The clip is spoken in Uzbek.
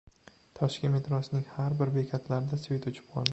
Toshkent metrosining bir qator bekatlarida «svet» o‘chib qoldi